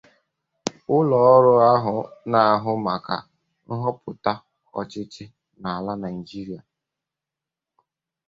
Ụlọọrụ ahụ na-ahụ maka nhọpụta ọchịchị n'ala Nigeria